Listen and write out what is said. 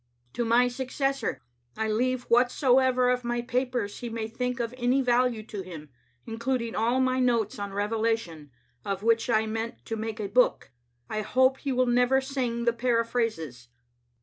" To my successor I leave whatsoever of my papers he may think of any value to him, including all my notes on Revelation, of which I meant to make a book. I hope he will never sing the paraphrases.